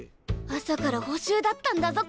朝から補習だったんだぞ